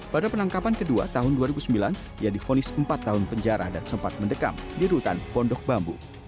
pada penangkapan kedua tahun dua ribu sembilan ia difonis empat tahun penjara dan sempat mendekam di rutan pondok bambu